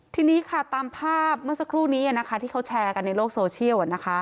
ทีนี้ค่ะตามภาพเมื่อสักครู่นี้ที่เขาแชร์กันในโลกโซเชียล